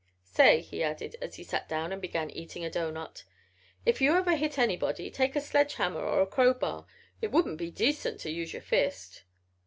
"Say," he added as he sat down and began eating a doughnut. "If you ever hit anybody take a sledge hammer or a crowbar. It wouldn't be decent to use your fist."